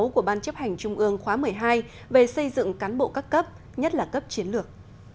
của ban chấp hành trung ương khóa một mươi hai về xây dựng cán bộ các cấp nhất là cấp chiến lược